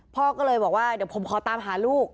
พ่อก็เลยบอกว่าเดี๋ยวผมขอตามหาลูก